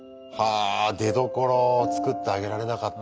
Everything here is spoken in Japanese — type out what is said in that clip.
あ出どころを作ってあげられなかった。